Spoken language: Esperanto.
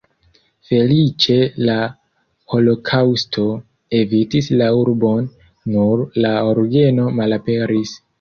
Feliĉe la holokaŭsto evitis la urbon, nur la orgeno malaperis.